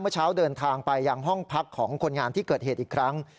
เมื่อเช้าเดินทางไปยังห้องพักของคนงานที่เกิดเหตุอีกครั้ง